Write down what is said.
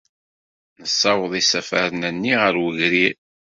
Nessaweḍ isafaren-nni ɣer wegrir.